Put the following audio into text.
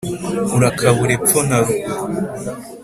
Urakabura epfo na ruguru